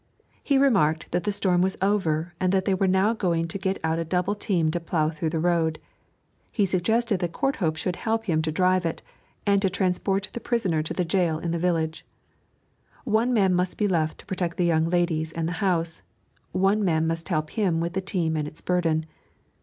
He remarked that the storm was over and that they were now going to get out a double team to plough through the road. He suggested that Courthope should help him to drive it, and to transport the prisoner to the gaol in the village. One man must be left to protect the young ladies and the house; one man must help him with the team and its burden.